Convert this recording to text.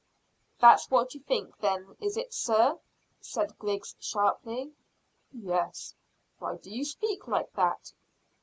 "That's what you think, then, is it, sir?" said Griggs sharply. "Yes; why do you speak like that?"